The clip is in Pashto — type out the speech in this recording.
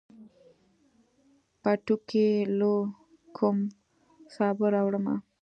پټوکي لو کوم، سابه راوړمه